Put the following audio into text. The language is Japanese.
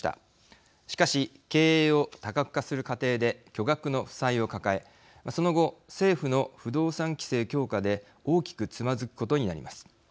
しかし経営を多角化する過程で巨額の負債を抱えその後政府の不動産規制強化で大きくつまずくことになります。